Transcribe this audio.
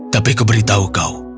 tapi aku beritahu kau